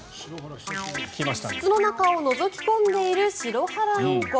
筒の中をのぞき込んでいるシロハラインコ。